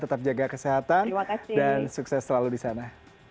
tetap jaga kesehatan dan sukses selalu di sana